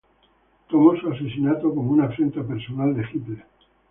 Tomó su asesinato como una afrenta personal de Hitler.